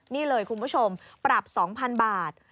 นี่เลยคุณผู้ชมปรับ๒๐๐๐บาท